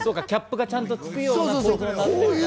キャップがちゃんとつくようなね。